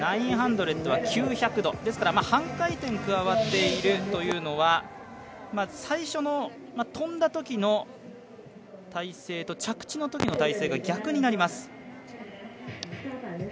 ９００は９００度、ですから半回転、加わっているというのは最初の飛んだときの体勢と着地の時の体勢が逆になります。